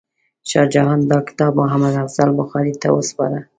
شاه جهان دا کتاب محمد افضل بخاري ته وسپاره.